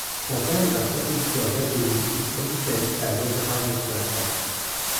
Son père est un compositeur bien connu et premier pianiste à l'Opéra national grec.